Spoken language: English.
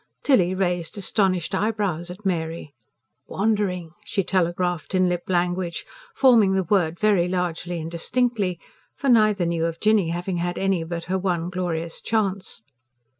Tilly raised astonished eyebrows at Mary. "Wandering!" she telegraphed in lip language, forming the word very largely and distinctly; for neither knew of Jinny having had any but her one glorious chance.